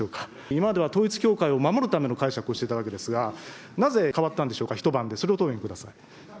今までは統一教会を守るための解釈をしていたわけですが、なぜ変わったんでしょうか、一晩で、それをご答弁ください。